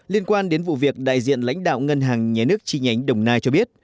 liên quan đến vụ việc đại diện lãnh đạo ngân hàng nhé nước chi nhánh đồng nai cho biết